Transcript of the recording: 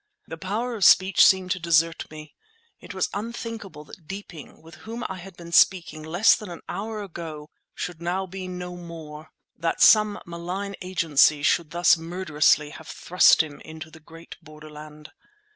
The power of speech seemed to desert me. It was unthinkable that Deeping, with whom I had been speaking less than an hour ago, should now be no more; that some malign agency should thus murderously have thrust him into the great borderland.